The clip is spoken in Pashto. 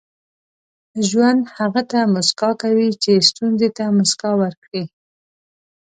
• ژوند هغه ته موسکا کوي چې ستونزې ته موسکا ورکړي.